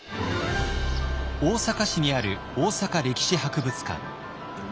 大阪市にある大阪歴史博物館。